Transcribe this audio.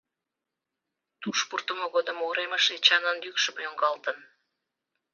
Туш пуртымо годым уремыш Эчанын йӱкшӧ йоҥгалтын: